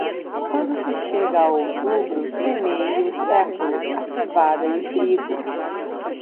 Quando se chega a outubro, semeie o século, a cevada e o trigo.